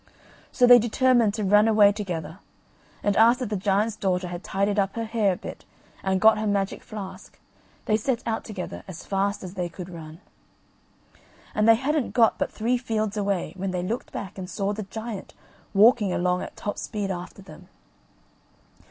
So they determined to run away together and after the giant's daughter had tidied up her hair a bit and got her magic flask they set out together as fast as they could run. And they hadn't got but three fields away when they looked back and saw the giant walking along at top speed after them.